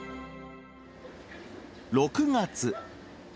６月。